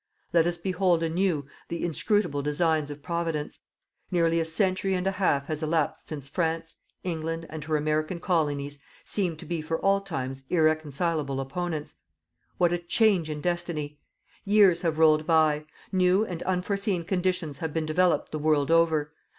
Let us behold anew the inscrutable designs of Providence. Nearly a century and a half has elapsed since France, England and her American Colonies seemed to be for all times irreconcilable opponents. What a change in Destiny! Years have rolled by. New and unforeseen conditions have been developed the world over.